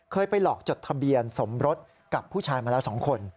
ไปหลอกจดทะเบียนสมรสกับผู้ชายมาแล้ว๒คน